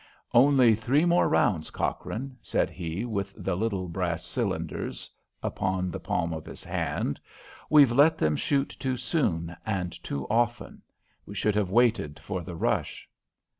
"Only three more rounds, Cochrane," said he, with the little brass cylinders upon the palm of his hand. "We've let them shoot too soon, and too often. We should have waited for the rush."